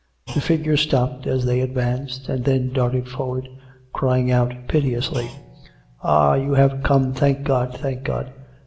The figure stopped as they advanced, and then darted for ward, crying out piteously: " Ah ! you have come, thank God ! thank God